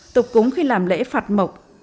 tục cúng khi làm lễ phạt mộc